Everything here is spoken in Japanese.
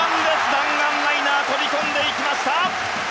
弾丸ライナーが飛び込んでいきました！